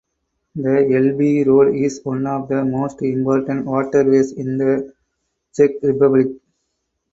The Elbe road is one of the most important waterways in the Czech Republic.